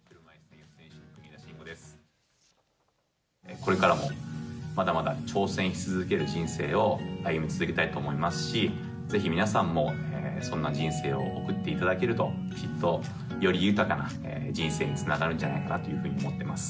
これからもまだまだ挑戦し続ける人生を歩み続けたいと思いますし、ぜひ皆さんも、そんな人生を送っていただけると、きっとより豊かな人生につながるんじゃないかなというふうに思っています。